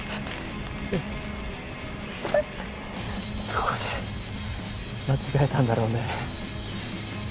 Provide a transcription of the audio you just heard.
どこで間違えたんだろうね？